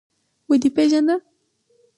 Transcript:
ودې پېژانده.